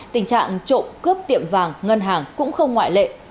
tình trạng trộm cướp tiệm vàng ngân hàng cũng không ngoại lệ